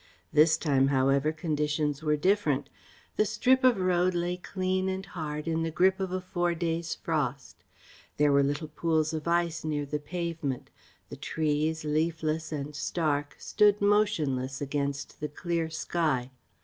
This time, however, conditions were different. The strip of road lay clean and hard in the grip of a four days' frost. There were little pools of ice near the pavement, the trees, leafless and stark, stood motionless against the clear sky.